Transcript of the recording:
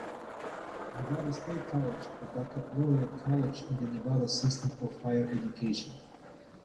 Nevada State College, a baccalaureate college in the Nevada System of Higher Education.